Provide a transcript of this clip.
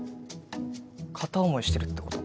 片思いしてるってこと？